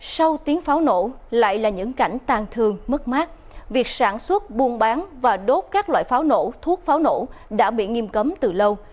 sau tiếng pháo nổ lại là những cảnh tàn thương mất mát việc sản xuất buôn bán và đốt các loại pháo nổ thuốc pháo nổ đã bị nghiêm cấm từ lâu